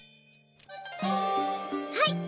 はい！